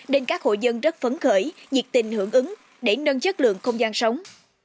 nên các hộ dân rất phấn khởi nhiệt tình hưởng ứng để nâng chất lượng không gian sống